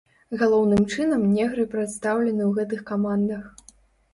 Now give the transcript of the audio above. Галоўным чынам негры прадстаўлены ў гэтых камандах.